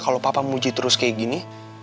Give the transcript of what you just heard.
kalau papa memuji terus kayak gini